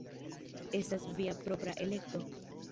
Estas via propra elekto.